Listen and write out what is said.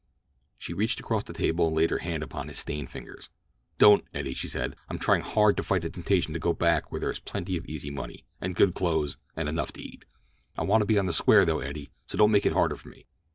She reached across the table and laid her hand upon his stained fingers. "Don't, Eddie," she said. "I'm trying hard to fight the temptation to go back where there is plenty of easy money, and good clothes, and enough to eat. I want to be on the square, though, Eddie, so don't make it harder for me."